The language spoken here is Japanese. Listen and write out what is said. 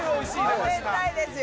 もう絶対ですよ。